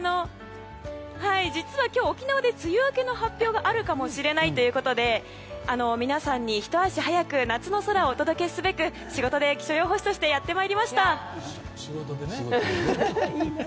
実は今日、沖縄で梅雨明けの発表があるかもしれないということで皆さんにひと足早く夏の空をお届けすべく仕事で気象予報士としてやってまいりました。